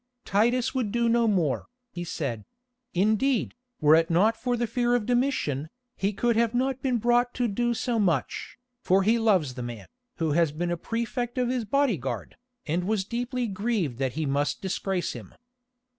"Titus would do no more," he said; "indeed, were it not for the fear of Domitian, he could have not have been brought to do so much, for he loves the man, who has been a prefect of his bodyguard, and was deeply grieved that he must disgrace him.